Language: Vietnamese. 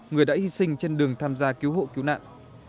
người đã hy sinh trên đường tham gia cứu hộ cứu nạn